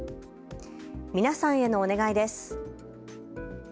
皆さんへのお願いです。